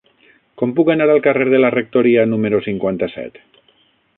Com puc anar al carrer de la Rectoria número cinquanta-set?